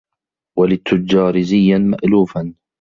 وَلِلتُّجَّارِ زِيًّا مَأْلُوفًا